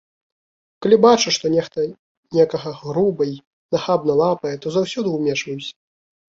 Калі бачу, што нехта некага груба і нахабна лапае, то заўсёды ўмешваюся.